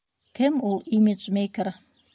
Кем ул имиджмейкер?